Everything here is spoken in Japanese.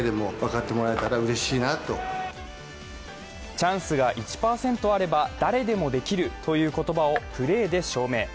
チャンスが１％あれば誰でもできるという言葉をプレーで証明。